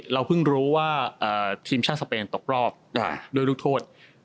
เราเพิ่งรู้ว่าทีมชาติสเปนตกรอบด้วยลูกโทษ